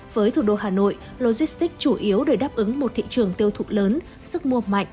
với thủ đô hà nội logistics chủ yếu để đáp ứng một thị trường tiêu thụ lớn sức mua mạnh